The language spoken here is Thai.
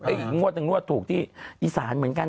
อีกงวดหนึ่งงวดถูกที่อีสานเหมือนกัน